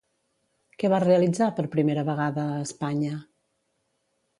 Què va realitzar, per primera vegada a Espanya?